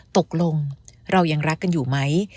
ตกลงเรายังรักกันอยู่ไหม